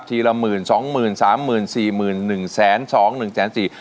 ละหมื่นสองหมื่นสามหมื่นสี่หมื่นหนึ่งแสนสองหนึ่งแสนสี่